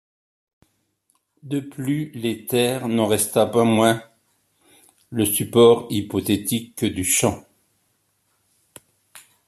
De plus l'éther n'en resta pas moins le support hypothétique du champ.